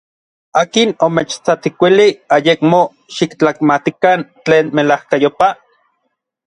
¿akin omechtsakuilij ayekmo xiktlakamatikan tlen melajkayopaj?